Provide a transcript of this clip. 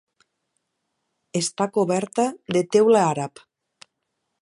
Està coberta de teula àrab.